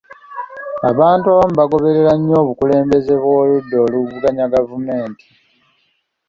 Abantu abamu bagoberera nnyo abakulembeze b'oludda oluvuganya gavumenti.